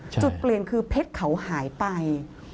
จุดเปลี่ยนคือเพชรเขาหายไป